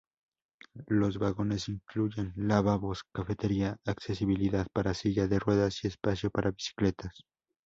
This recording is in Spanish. Los vagones incluyen lavabos, cafetería, accesibilidad para silla de ruedas y espacio para bicicletas.